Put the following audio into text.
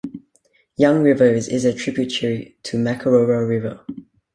Young River is a tributary to Makarora River.